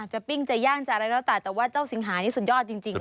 จะปิ้งจะย่างจะอะไรแล้วต่างแต่ว่าเจ้าสิงหานี่สุดยอดจริงเลยนะครับ